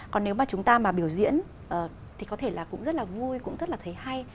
còn nếu mà chúng ta mà biểu diễn thì có thể là cũng rất là vui cũng rất là thấy hay